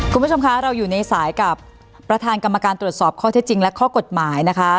คุณผู้ชมคะเราอยู่ในสายกับประธานกรรมการตรวจสอบข้อเท็จจริงและข้อกฎหมายนะคะ